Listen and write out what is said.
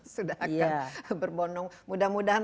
sudah akan berbondong mudah mudahan